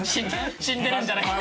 死んでるんじゃないか。